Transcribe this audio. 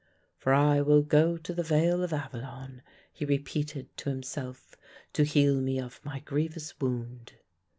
"'For I will go to the vale of Avilion,'" he repeated to himself, "'to heal me of my grievous wound.